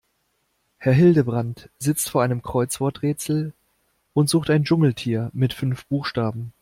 Herr Hildebrand sitzt vor einem Kreuzworträtsel und sucht ein Dschungeltier mit fünf Buchstaben.